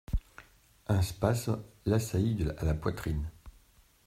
Un spasme l'as- saillit à la poitrine.